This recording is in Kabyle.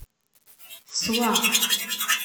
Teswa.